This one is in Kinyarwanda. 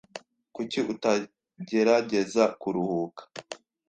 Kuki utagerageza kuruhuka?